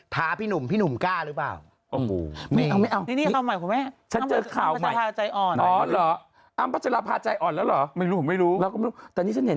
พี่หนุ่มพี่หนุ่มกล้าหรือเปล่า